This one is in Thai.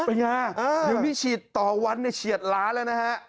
ได้อย่างงี้พี่ฉีดต่อวันเนี้ยเชียดล้านแล้วนะฮะ